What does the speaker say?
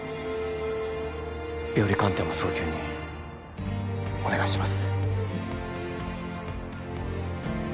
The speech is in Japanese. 病理鑑定も早急にお願いします